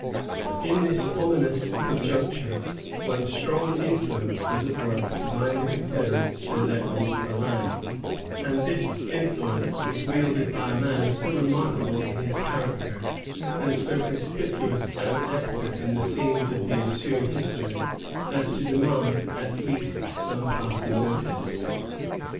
But in this ominous conjuncture, one strong influence was at work to bind the confederates to their old alliance; and this influence was wielded by a man so remarkable in his character, and so conspicuous an actor in the scenes of the ensuing history, as to demand at least some passing notice.